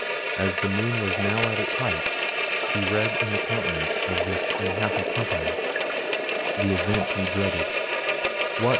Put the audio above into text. As the moon was now at its height, he read in the countenances of this unhappy company the event he dreaded. "What!